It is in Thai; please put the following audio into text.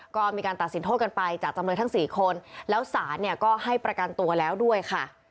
ก็มีการตัดสินโทษกันไปจากจำเลยทั้งสี่คนแล้วศาลเนี่ยก็ให้ประกันตัวแล้วด้วยค่ะ